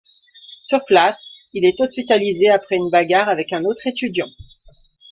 Sur place, il est hospitalisé après une bagarre avec un autre étudiant.